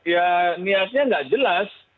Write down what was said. ya niatnya tidak jelas